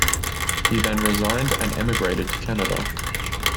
He then resigned and emigrated to Canada.